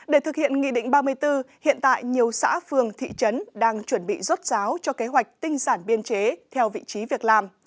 để thực hiện nghị định ba mươi bốn hiện tại nhiều xã phường thị trấn đang chuẩn bị rốt ráo cho kế hoạch tinh giản biên chế theo vị trí việc làm